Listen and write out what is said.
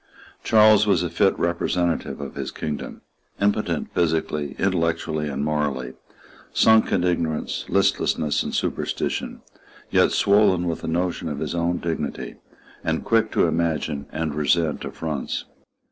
Charles was a fit representative of his kingdom, impotent physically, intellectually and morally, sunk in ignorance, listlessness and superstition, yet swollen with a notion of his own dignity, and quick to imagine and to resent affronts.